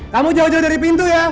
kamu jauh jauh dari pintu ya